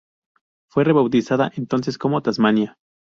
Fue rebautizada entonces como "Tasmania".